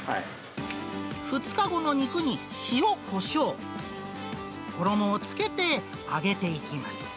２日後の肉に塩、コショウ、衣をつけて揚げていきます。